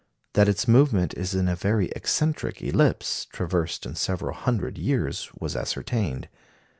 That its movement is in a very eccentric ellipse, traversed in several hundred years, was ascertained.